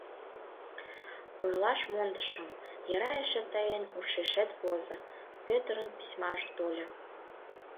— Ойлаш мондышым, йӧра эше тыйын ушешет возо: Пӧтырын письмаже тольо.